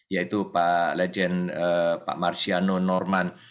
yaitu pak legend pak marsiano norman